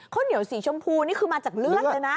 ข้าวเหนียวสีชมพูนี่คือมาจากเลือดเลยนะ